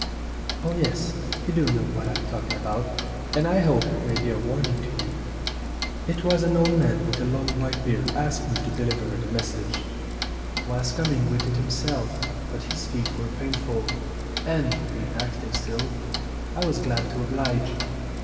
"Oh, yes, you do know what I'm talking about, and I hope it may be a warning to you. It was an old man with a long white beard asked me to deliver the mes sage. Was coming with it himself but his feet were painful, and, being active still, I was glad to oblige.